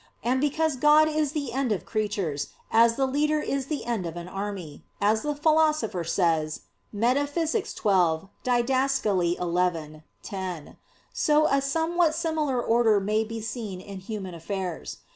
And because God is the end of creatures, as the leader is the end of an army, as the Philosopher says (Metaph. xii, Did. xi, 10); so a somewhat similar order may be seen in human affairs.